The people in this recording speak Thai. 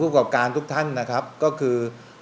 กับการทุกท่านนะครับก็คือ